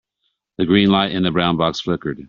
The green light in the brown box flickered.